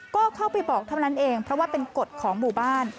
ก็เข้าไปบอกเท่านั้นเองเพราะว่าเป็นกฎของหมู่บ้าน